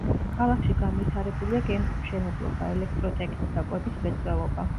ქალაქში განვითარებულია გემთმშენებლობა, ელექტროტექნიკა, კვების მრეწველობა.